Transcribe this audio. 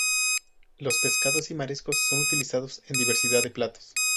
Los pescados y mariscos son utilizados en diversidad de platos.